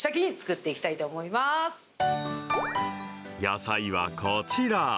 野菜はこちら。